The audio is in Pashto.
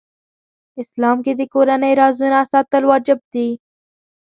اسلام کې د کورنۍ رازونه ساتل واجب دي .